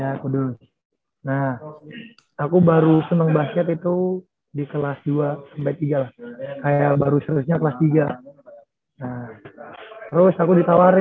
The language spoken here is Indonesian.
aku dulu nah aku baru senang basket itu di kelas dua tiga lah kayak baru seterusnya kelas tiga nah terus aku ditawarin